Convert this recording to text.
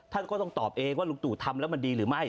ท่านก็ต้องตอบเองว่าลุงตู่ทำแล้วมันดีหรือไม่